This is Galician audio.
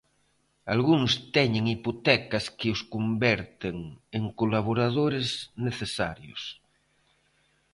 Algúns teñen hipotecas que os converten en colaboradores necesarios.